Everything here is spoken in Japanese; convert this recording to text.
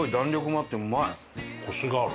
コシがある。